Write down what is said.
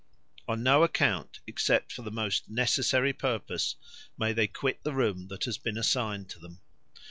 On no account, except for the most necessary purpose, may they quit the room that has been assigned to them.